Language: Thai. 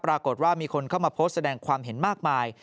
ปรากฏว่ามีคนเข้ามาโพสต์แสดงความเห็นมากมาย